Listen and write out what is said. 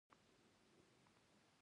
دوی د لاندي مسته غوښه وخوړه له خوند نه.